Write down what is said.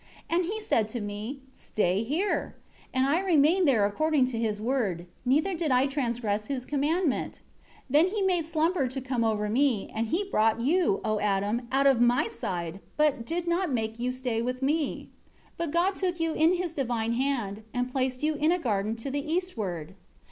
8 And He said to me, 'Stay here!' And I remained there according to His Word, neither did I transgress His commandment. 9 Then He made a slumber to come over me, and He brought you, O Adam, out of my side, but did not make you stay with me. 10 But God took you in His divine hand, and placed you in a garden to the eastward.